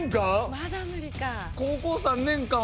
まだ無理か。